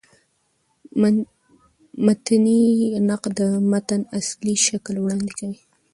متني نقد د متن اصلي شکل وړاندي کوي.